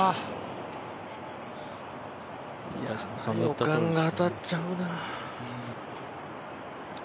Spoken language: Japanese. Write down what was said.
予感が当たっちゃうな。